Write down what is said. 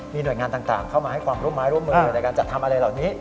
มีหน่วยงานต่างเข้ามาให้ความร่วมมือไม้ร่วมมืออยู่ในการจัดทำอะไรเหล่านี้